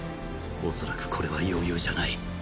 恐らくこれは余裕じゃない。